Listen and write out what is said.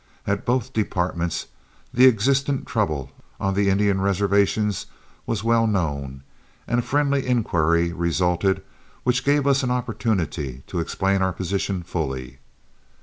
At both departments, the existent trouble on the Indian reservations was well known, and a friendly inquiry resulted, which gave us an opportunity to explain our position fully.